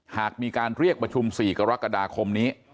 หากมีการเรียกประชุม๔กรกฎาคมนี้